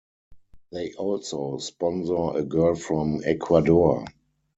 They also sponsor a girl from Ecuador.